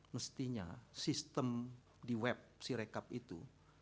mestinya sistem di web sirekap itu